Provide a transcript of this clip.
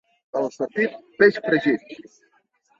A l'Estartit, peix fregit.